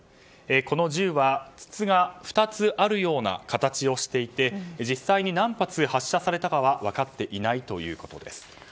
この銃は、筒が２つあるような形をしていて実際に何発発射されたかは分かっていないということです。